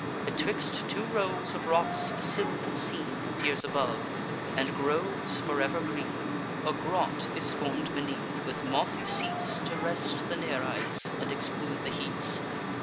Betwixt two rows of rocks a sylvan scene Appears above, and groves for ever green: A grot is form'd beneath, with mossy seats, To rest the Nereids, and exclude the heats.